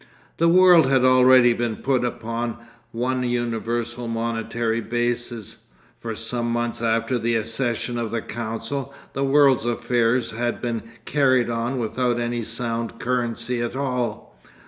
The world had already been put upon one universal monetary basis. For some months after the accession of the council, the world's affairs had been carried on without any sound currency at all.